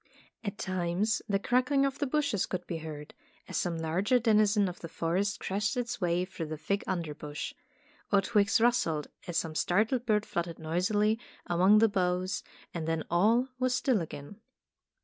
At times the crackling of the bushes could be heard, as some larger denizen of the forest crashed its way through the thick underbrush; or twigs rustled as some startled bird fluttered noisily among the boughs, and then all was still again.